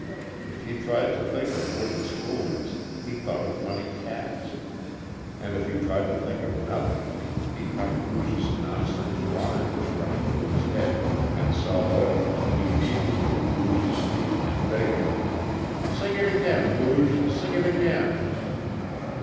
If he tried to think of wooden spoons he thought of funny cats. And if he tried to think of nothing he caught Booge's nonsense rhymes running through his head and saw Buddy clinging eagerly to Booge's knee and begging, "Sing it again, Booge, sing it again."